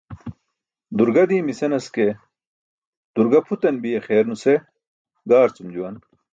Durga diimi senas ke, "durga" pʰutan biya xeer nuse gaarcum juwan.